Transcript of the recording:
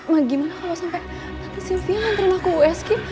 ma gimana kalau sampai tante silvia yang terlaku usg